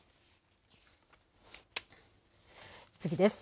次です。